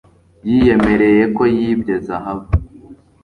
yiyemereye ko yibye zahabu